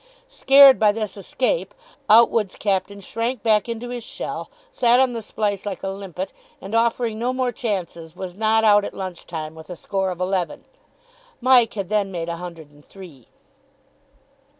Scared by this escape, Outwood's captain shrank back into his shell, sat on the splice like a limpet, and, offering no more chances, was not out at lunch time with a score of eleven. Mike had then made a hundred and three.